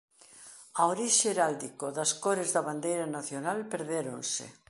A orixe heráldico das cores da bandeira nacional perdéronse.